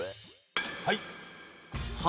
はい。